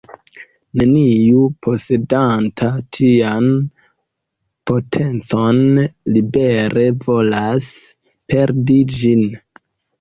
Neniu, posedanta tian potencon, libere volas perdi ĝin.